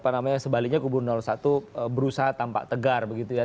dan sebaliknya kubu satu berusaha tampak tegar begitu ya